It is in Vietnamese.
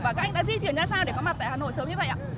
và các anh đã di chuyển ra sao để có mặt tại hà nội sớm như vậy ạ